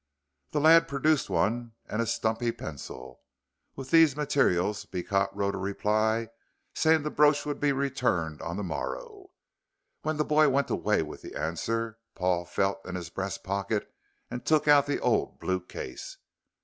The lad produced one and a stumpy pencil. With these materials Beecot wrote a reply saying the brooch would be returned on the morrow. When the boy went away with the answer Paul felt in his breast pocket and took out the old blue case.